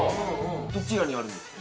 どちらにあるんですか？